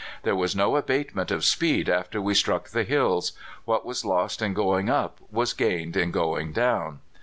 There was no abatement of speed after we struck the hills: what was lost in going up was regained in going down.